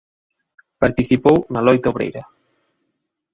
Participou na loita obreira.